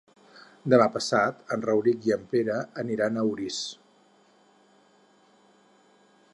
Demà passat en Rauric i en Pere aniran a Orís.